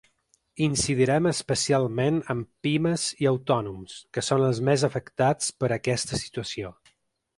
Incidirem especialment en pimes i autònoms, que són els més afectats per aquesta situació.